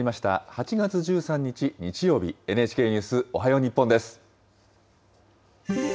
８月１３日日曜日、ＮＨＫニュースおはよう日本です。